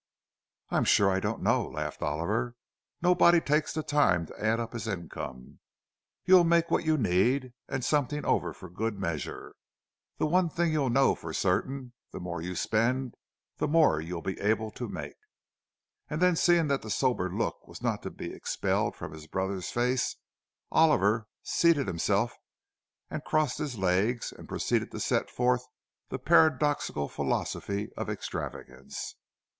"I'm sure I don't know," laughed Oliver; "nobody takes the time to add up his income. You'll make what you need, and something over for good measure. This one thing you'll know for certain—the more you spend, the more you'll be able to make." And then, seeing that the sober look was not to be expelled from his brother's face, Oliver seated himself and crossed his legs, and proceeded to set forth the paradoxical philosophy of extravagance.